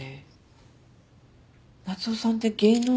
夏雄さんって芸能人？